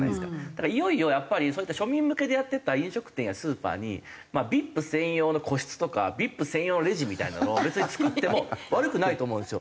だからいよいよやっぱりそういった庶民向けでやってた飲食店やスーパーにＶＩＰ専用の個室とかＶＩＰ専用のレジみたいなのを別に作っても悪くないと思うんですよ。